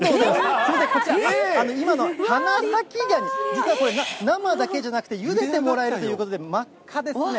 すみません、こちら、今の花咲がに、実はこれ、生だけじゃなくて、ゆでてもらえるということで、真っ赤ですね。